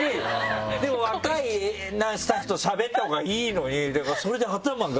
でも若いスタッフとしゃべったほうがいいのに。